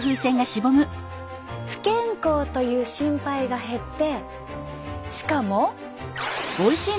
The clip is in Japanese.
不健康という心配が減ってしかも。